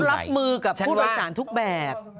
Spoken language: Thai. รับมือกับผู้โดยสารทุกแบบ